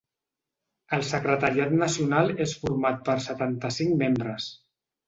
El secretariat nacional és format per setanta-cinc membres.